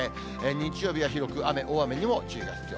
日曜日は広く雨、大雨にも注意が必要。